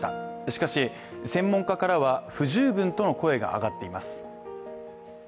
しかし、専門家からは不十分との声が上がっています。